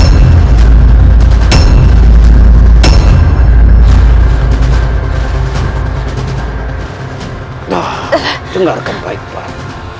nah dengarkan baik baik